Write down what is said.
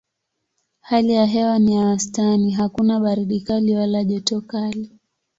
Hali ya hewa ni ya wastani: hakuna baridi kali wala joto kali.